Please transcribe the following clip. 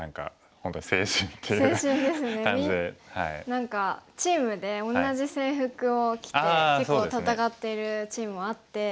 何かチームで同じ制服を着て結構戦ってるチームもあって。